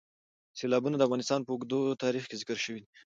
سیلابونه د افغانستان په اوږده تاریخ کې ذکر شوي دي.